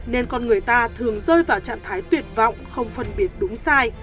nên con người ta thường rơi vào trạng thái tuyệt vọng không phân biệt đúng sai